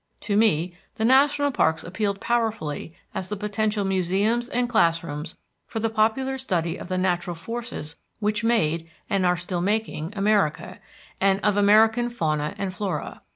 To me the national parks appealed powerfully as the potential museums and classrooms for the popular study of the natural forces which made, and still are making, America, and of American fauna and flora.